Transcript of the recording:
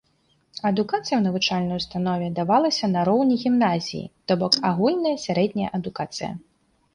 Адукацыя ў навучальнай установе давалася на роўні гімназіі, то бок агульная сярэдняя адукацыя.